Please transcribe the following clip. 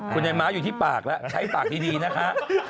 คุณไอ้ม้าอยู่ที่ปากแล้วใช้ปากดีนะคะ